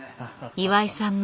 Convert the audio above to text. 岩井さんの